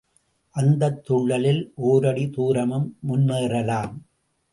அந்தத் துள்ளலில் ஒரடி தூரமும் முன்னேறலாம்.